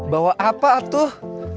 bawa apa tuh